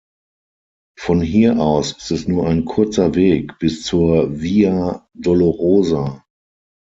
Von hier aus ist es nur ein kurzer Weg bis zur Via Dolorosa.